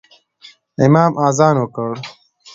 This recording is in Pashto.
امام اذان وکړ